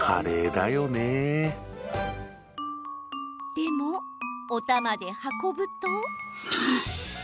でも、おたまで運ぶと。